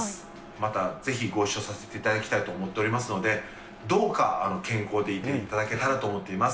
またぜひご一緒させていただきたいと思っておりますので、どうか健康でいていただけたらと思っております。